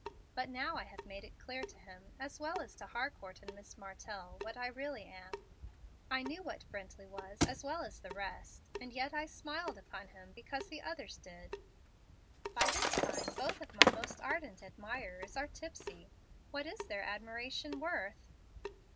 But now I have made it clear to him, as well as to Harcourt and Miss Martell, what I really am. I knew what Brently was as well as the rest, and yet I smiled upon him because the others did. By this time both of my most ardent admirers are tipsy. What is their admiration worth?"